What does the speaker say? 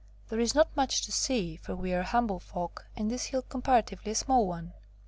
There is not much to see, for we are humble folk, and this hill comparatively a small one.